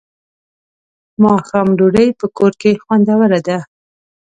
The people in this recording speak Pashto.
ماښام ډوډۍ په کور کې خوندوره ده.